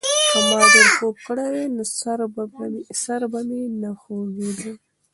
که ما ډېر خوب کړی وای، نو سر به مې نه خوږېده.